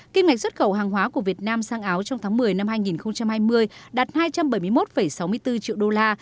kim ngạch xuất khẩu hàng hóa của việt nam sang áo trong tháng một mươi năm hai nghìn hai mươi đạt hai trăm bảy mươi một sáu mươi bốn triệu đô la